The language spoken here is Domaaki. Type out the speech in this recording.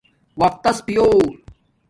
وقتس پیوہ